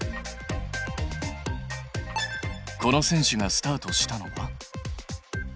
この選手がスタートしたのは。